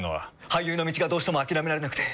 俳優の道がどうしても諦められなくて。